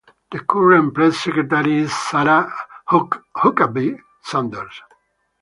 The current Press Secretary is Sarah Huckabee Sanders.